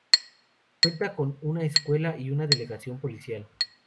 Cuenta con una escuela, y una delegación policial.